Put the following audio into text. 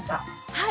はい。